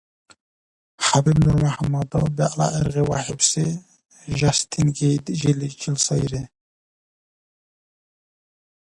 ХӀябиб НурмяхӀяммадов бегӀла гӀергъи вяхӀибси Джастин Гейджиличил сайри.